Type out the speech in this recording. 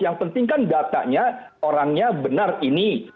yang penting kan datanya orangnya benar ini